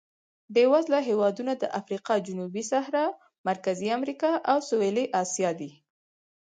بېوزله هېوادونه د افریقا جنوبي صحرا، مرکزي امریکا او سوېلي اسیا دي.